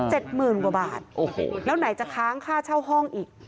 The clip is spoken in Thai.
หมื่นกว่าบาทโอ้โหแล้วไหนจะค้างค่าเช่าห้องอีก